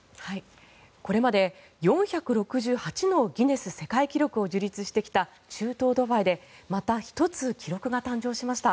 これまで４６８のギネス世界記録を樹立してきた中東ドバイでまた１つ記録が誕生しました。